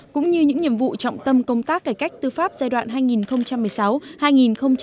cũng như những nhiệm vụ trọng tâm công tác cải cách tư pháp giai đoạn hai nghìn một mươi sáu hai nghìn hai mươi